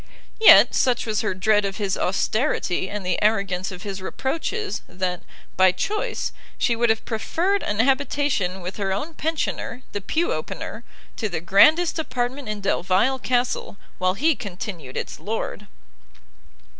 Yet, such was her dread of his austerity and the arrogance of his reproaches, that, by choice, she would have preferred an habitation with her own pensioner, the pew opener, to the grandest apartment in Delvile Castle while he continued its lord.